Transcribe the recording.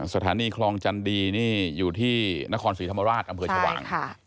สถานีคลองจันดีนี่อยู่ที่นครศรีธรรมราชอำเภอชวาง